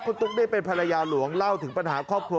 คุณตุ๊กได้เป็นภรรยาหลวงเล่าถึงปัญหาครอบครัว